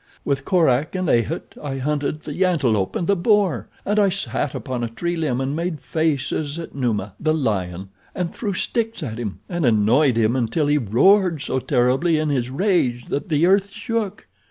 With Korak and A'ht I hunted the antelope and the boar, and I sat upon a tree limb and made faces at Numa, the lion, and threw sticks at him and annoyed him until he roared so terribly in his rage that the earth shook.